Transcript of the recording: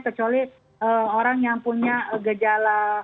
kecuali orang yang punya gejala